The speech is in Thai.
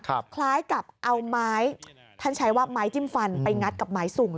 คล้ายกับเอาไม้ท่านใช้ว่าไม้จิ้มฟันไปงัดกับไม้สุ่ม